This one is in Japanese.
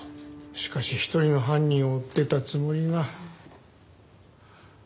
しかし一人の犯人を追ってたつもりが。